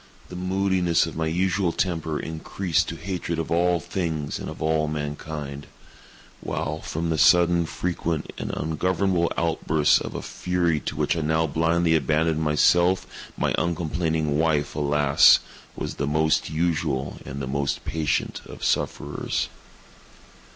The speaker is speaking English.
The moodiness of my usual temper increased to hatred of all things and of all mankind; while, from the sudden, frequent, and ungovernable outbursts of a fury to which I now blindly abandoned myself, my uncomplaining wife, alas, was the most usual and the most patient of sufferers.